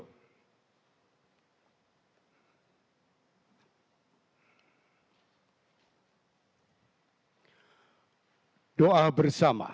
masing masing dianugrahi tanda kehormatan bintang jasa nararia